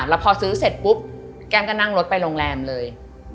แล้วพอซื้อเสร็จปุ๊บแก้มก็นั่งรถไปโรงแรมเลย